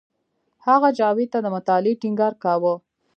هغه جاوید ته د مطالعې ټینګار کاوه